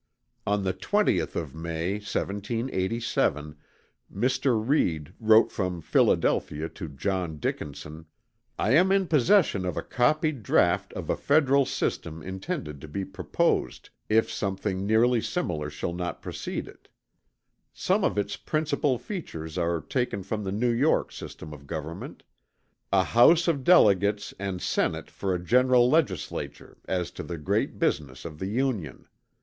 On the 20th of May 1787 Mr. Read wrote from Philadelphia to John Dickinson: "I am in possession of a copied draught of a federal system intended to be proposed if something nearly similar shall not precede it. Some of its principal features are taken from the New York system of government. A house of delegates and senate for a general legislature, as to the great business of the Union.